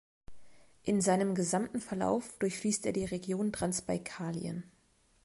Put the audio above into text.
In seinem gesamten Verlauf durchfließt er die Region Transbaikalien.